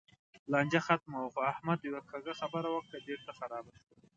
لانجه ختمه وه؛ خو احمد یوه کږه خبره وکړه، بېرته خرابه شوه.